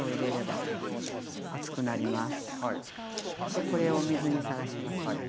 でこれをお水にさらしますので。